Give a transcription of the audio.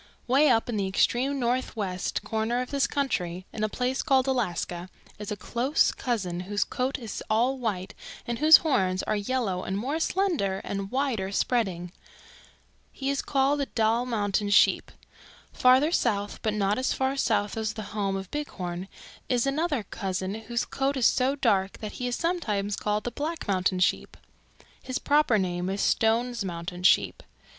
"Way up in the extreme northwest corner of this country, in a place called Alaska, is a close cousin whose coat is all white and whose horns are yellow and more slender and wider spreading. He called the Dall Mountain Sheep. Farther south, but not as far south as the home of Bighorn, is another cousin whose coat is so dark that he is sometimes called the Black Mountain Sheep. His proper name is Stone's Mountain Sheep.